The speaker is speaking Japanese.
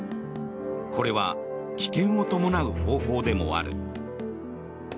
これは危険を伴う方法でもある。